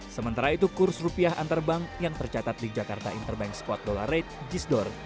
sementara itu kurs rupiah antarbank yang tercatat di jakarta interbank spot dollar rate jisdor